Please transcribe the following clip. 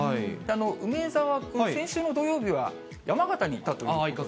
梅澤君、先週の土曜日は山形に行ったという。